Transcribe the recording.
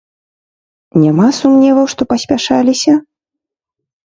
Няма сумневаў, што паспяшаліся?